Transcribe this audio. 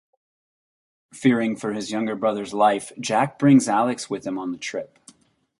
Fearing for his younger brother's life, Jack brings Alex with him on the trip.